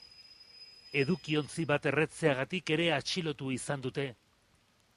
Edukiontzi bat erretzeagatik ere atxilotu izan dute.